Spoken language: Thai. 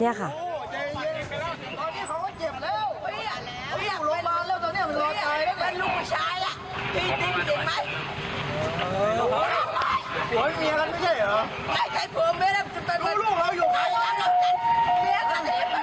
นี่แม่งกันไม่ใช่หรือดูลูกเราอยู่ไหนล่ะ